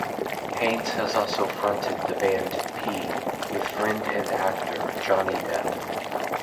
Haynes has also fronted the band P with friend and actor Johnny Depp.